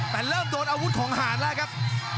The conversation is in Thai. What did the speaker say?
แต่เริ่มโดนอาวุธของหารแล้วครับ